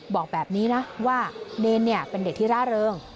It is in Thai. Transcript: บอกแบบนี้นะว่าเนรเป็นเด็กที่ร่าเริง